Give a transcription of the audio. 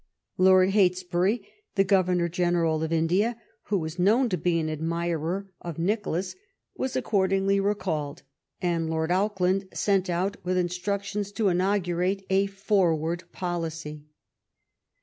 Lord THE QUALBILATERAL ALLIANCE. 67 Heytesbury, the Governor General of India, who was known to be an admirer of Nicholas, was accordingly recalled ; and Lord Auckland sent out with instructions to inaugurate a forward policy.